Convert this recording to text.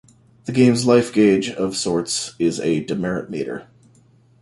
The game's life gauge of sorts is a demerit meter.